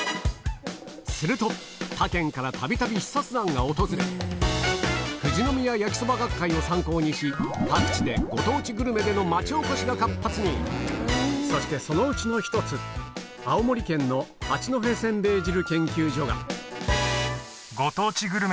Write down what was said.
すると他県からたびたび視察団が訪れ「富士宮やきそば学会」を参考にし各地でご当地グルメでの町おこしが活発にそしてそのうちの１つ青森県のこうしてが開催